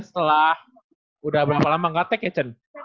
setelah udah berapa lama gak tag ya cen